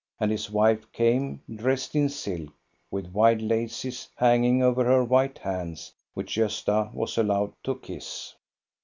And his wife came, dressed in silk, with wide laces hanging over her white hands, which Gosta was allowed to kiss.